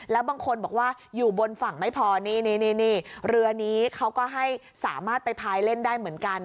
แล้วบางคนบอกว่าอยู่บนฝั่งไม่พอนี่เรือนี้เขาก็ให้สามารถไปพายเล่นได้เหมือนกัน